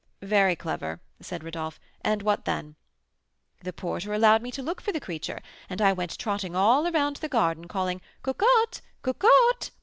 "Very clever," said Rodolph. "And what then?" "The porter allowed me to look for the creature, and I went trotting all around the garden, calling 'Cocotte! Cocotte!'